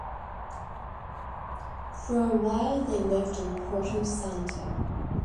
For a while they lived on Porto Santo.